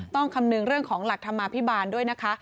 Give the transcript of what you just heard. คำนึงเรื่องของหลักธรรมาภิบาลด้วยนะคะ